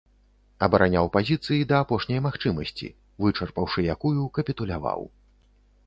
Абараняў пазіцыі да апошняй магчымасці, вычарпаўшы якую капітуляваў.